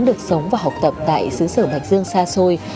được sống và học tập tại xứ sở bạch dương xa xôi